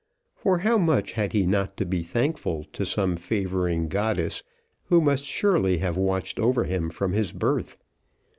For how much had he not to be thankful to some favouring goddess who must surely have watched over him from his birth!